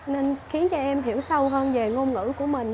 nên khiến cho em hiểu sâu hơn về ngôn ngữ của mình